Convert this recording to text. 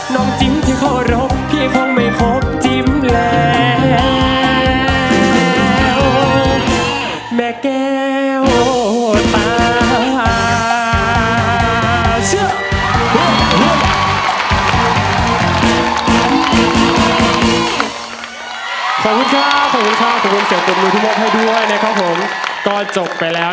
จิ้มที่เคารพพี่คงไม่พบจิ้มแล้ว